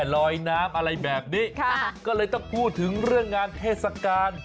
ลอยน้ำอะไรแบบนี้ก็เลยต้องพูดถึงเรื่องงานเทศกาล